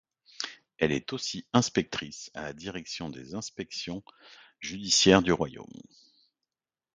Elle est aussi inspectrice à la Direction des inspections judiciaires du royaume.